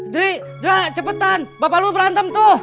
drek drak cepetan bapak lo berantem tuh